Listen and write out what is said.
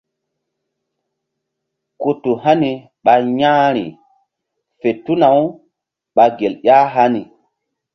Ku tu hani ɓa ƴa̧h ri fe tuna-u ɓa gel ƴah hani.